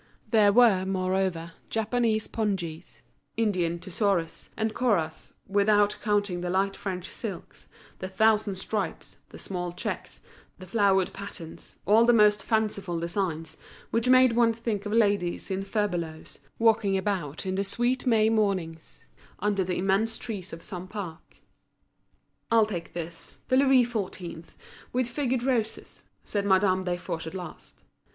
There were, moreover, Japanese pongees, Indian tussores and corahs, without counting the light French silks, the thousand stripes, the small checks, the flowered patterns, all the most fanciful designs, which made one think of ladies in furbelows, walking about, in the sweet May mornings, under the immense trees of some park. "I'll take this, the Louis XIV. with figured roses," said Madame Desforges at last.